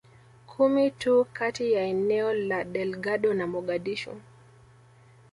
kumi tu kati ya eneo la Delgado na Mogadishu